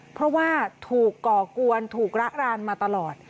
เพราะว่าถูกก่อกวนถูกระรานมาตลอด